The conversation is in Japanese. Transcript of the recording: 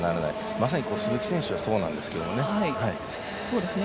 まさに鈴木選手がそうなんですけれどもね。